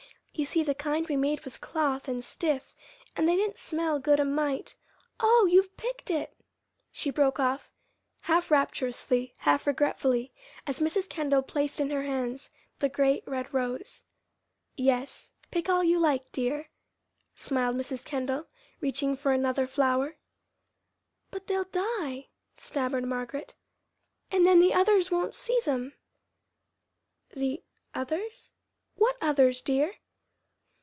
You see the kind we made was cloth and stiff, and they didn't smell good a mite oh, you've picked it!" she broke off, half rapturously, half regretfully, as Mrs. Kendall placed in her hands the great red rose. "Yes, pick all you like, dear," smiled Mrs. Kendall, reaching for another flower. "But they'll die," stammered Margaret, "and then the others won't see them." "The 'others'? What others, dear?"